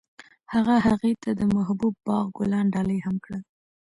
هغه هغې ته د محبوب باغ ګلان ډالۍ هم کړل.